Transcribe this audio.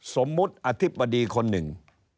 สมมุติอธิบดีคนหนึ่ง